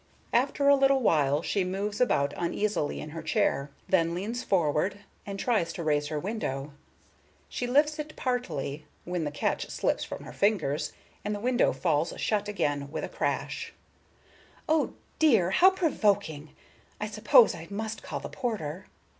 After a little while she moves about uneasily in her chair, then leans forward, and tries to raise her window; she lifts it partly up, when the catch slips from her fingers, and the window falls shut again with a crash. Miss Galbraith: "Oh, dear, how provoking! I suppose I must call the porter."